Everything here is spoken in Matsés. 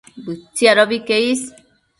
Bëtsiadobi que is